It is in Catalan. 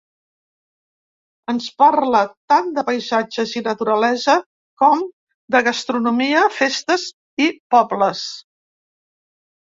Ens parla tant de paisatges i naturalesa com de gastronomia, festes i pobles.